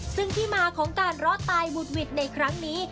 ซึ่งที่มาของการรอดตายบุดหวิดในครั้งนี้